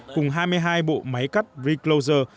cùng hai mươi hai bộ máy cắt re closer